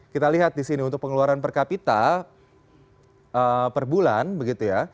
kita lihat di sini untuk pengeluaran per kapita per bulan begitu ya